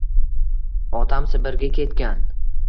— Otam Sibirga ketgan.